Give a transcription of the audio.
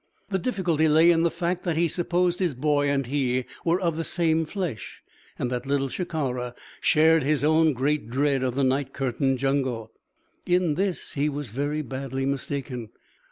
The difficulty lay in the fact that he supposed his boy and he were of the same flesh, and that Little Shikara shared his own great dread of the night curtained jungle. In this he was very badly mistaken.